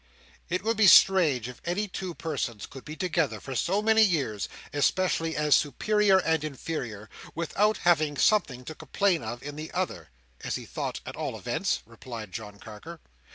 "It would be strange if any two persons could be together for so many years, especially as superior and inferior, without each having something to complain of in the other—as he thought, at all events," replied John Carker.